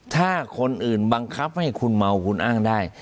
ถ้าคนอื่นบังคับให้คุณเมาคุณอ้างได้